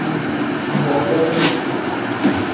Zaliya wendii mutu.